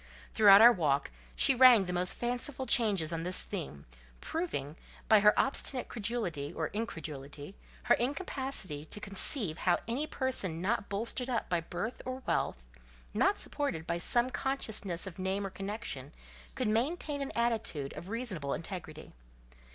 Throughout our walk she rang the most fanciful changes on this theme; proving, by her obstinate credulity, or incredulity, her incapacity to conceive how any person not bolstered up by birth or wealth, not supported by some consciousness of name or connection, could maintain an attitude of reasonable integrity.